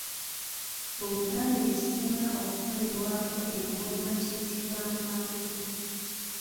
Mu Buganda ekisinga okukolerwako engoma kiyitibwa Mpambire.